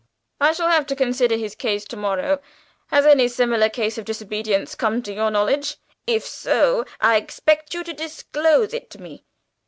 I shall have to consider his case to morrow. Has any similar case of disobedience come to your knowledge? If so, I expect you to disclose it to me.